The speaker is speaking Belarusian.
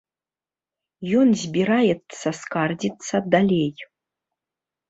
Ён збіраецца скардзіцца далей.